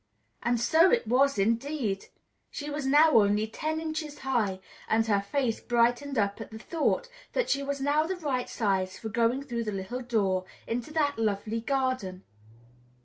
And so it was indeed! She was now only ten inches high, and her face brightened up at the thought that she was now the right size for going through the little door into that lovely garden.